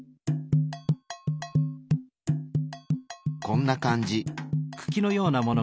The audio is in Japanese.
こんな感じ。